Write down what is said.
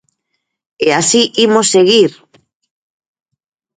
E así imos seguir.